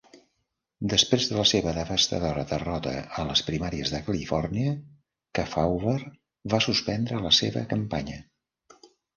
Després de la seva devastadora derrota a les primàries de Califòrnia, Kefauver va suspendre la seva campanya.